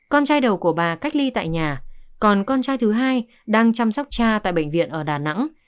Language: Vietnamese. con trai đầu của bà cách ly tại nhà còn con trai thứ hai đang chăm sóc cha tại bệnh viện ở đà nẵng